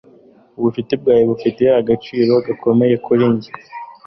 Ubucuti bwawe bufite agaciro gakomeye kuri njye